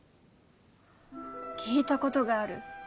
聞いたことがある。